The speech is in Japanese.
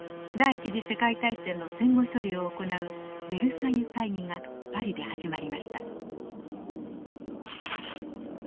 第一次世界大戦の戦後処理を行うベルサイユ会議がパリで始まりました。